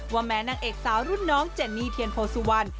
แม้นางเอกสาวรุ่นน้องเจนนี่เทียนโพสุวรรณ